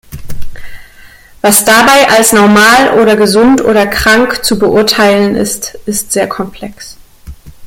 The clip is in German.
Was dabei als normal oder gesund oder krank zu beurteilen ist, ist sehr komplex.